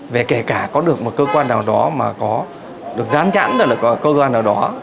về kể cả có được một cơ quan nào đó mà có được gián chẵn là có cơ quan nào đó